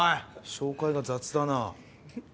紹介が雑だな。